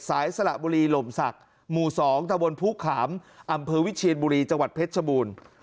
สละบุรีหล่มศักดิ์หมู่๒ตะบนภูขามอำเภอวิเชียนบุรีจังหวัดเพชรชบูรณ์